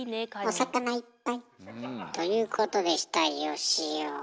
お魚いっぱい。ということでしたよしお。